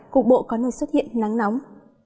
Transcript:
cục bộ có nơi xuất hiện nắng nóng